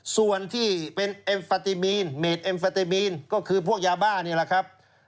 ส่วนที่เป็นเอ็มฟาติมีนเมดเอ็มฟาติมีนก็คือพวกยาบ้านี่แหละครับ